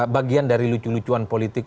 bagian dari lucu lucuan politik